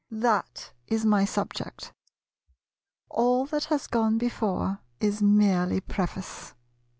That is my subject; all that has gone before is merely preface.